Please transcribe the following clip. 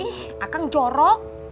ih akang jorok